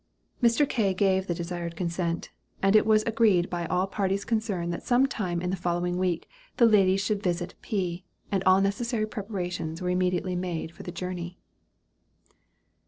Mr. K. gave the desired consent, and it was agreed by all parties concerned that some time in the following week the ladies should visit P.; and all necessary preparations were immediately made for the journey.